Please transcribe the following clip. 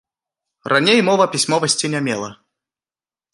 Раней мова пісьмовасці не мела.